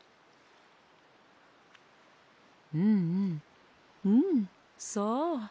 うんうんうんそう。